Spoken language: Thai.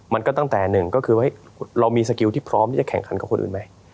มันก็ตั้งแต่หนึ่งก็คือว่าเรามีสกิลที่พร้อมที่จะแข่งขันกับคนอื่นไหม